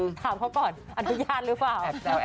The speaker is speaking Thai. ถามเขาก่อนอนุญาตหรือเปล่า